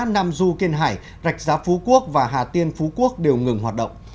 nam du kiên hải rạch giá phú quốc và hà tiên phú quốc đều ngừng hoạt động